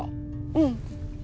うん。